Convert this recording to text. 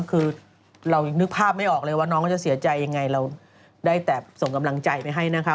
คือเรานึกภาพไม่ออกเลยว่าน้องเขาจะเสียใจยังไงเราได้แต่ส่งกำลังใจไปให้นะคะ